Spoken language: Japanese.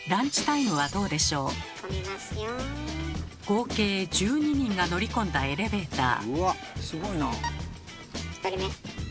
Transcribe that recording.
合計１２人が乗り込んだエレベーター。